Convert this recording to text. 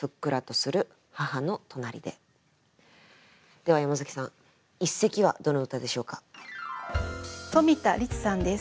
では山崎さん一席はどの歌でしょうか？とみた律さんです。